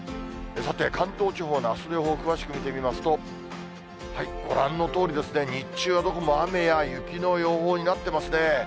さて、関東地方のあすの予報、詳しく見てみますと、ご覧のとおりですね、日中はどこも雨や雪の予報になってますね。